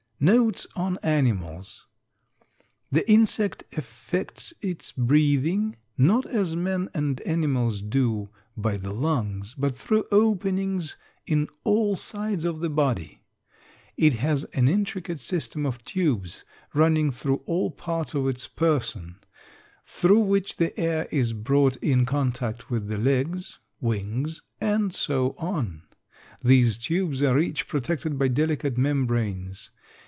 NOTES ON ANIMALS. The insect effects its breathing, not as men and animals do, by the lungs, but through openings in all sides of the body. It has an intricate system of tubes running through all parts of its person, through which the air is brought in contact with the legs, wings, and so on. These tubes are each protected by delicate membranes.